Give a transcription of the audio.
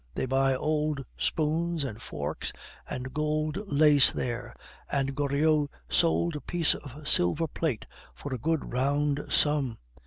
They buy old spoons and forks and gold lace there, and Goriot sold a piece of silver plate for a good round sum.